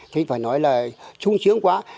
thì phải nói là trung sướng quá